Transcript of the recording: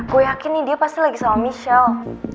gue yakin nih dia pasti lagi sama michelle